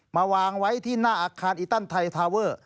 มาวางไว้ที่หน้าอาคารอีตันไทยทาเวอร์